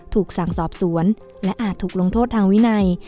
ถูกสั่งสอบสวนและอาจถูกลงโทษทางวินัย